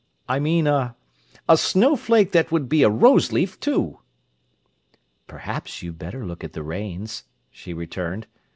I mean a—a snowflake that would be a rose leaf, too!" "Perhaps you'd better look at the reins," she returned.